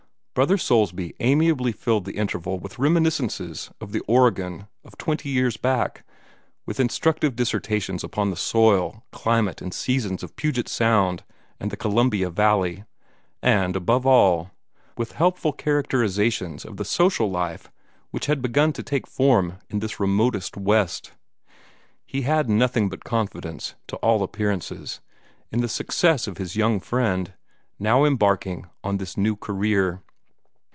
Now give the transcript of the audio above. Brother Soulsby amiably filled the interval with reminiscences of the Oregon of twenty years back, with instructive dissertations upon the soil, climate, and seasons of Puget Sound and the Columbia valley, and, above all, with helpful characterizations of the social life which had begun to take form in this remotest West. He had nothing but confidence, to all appearances, in the success of his young friend, now embarking on this new career.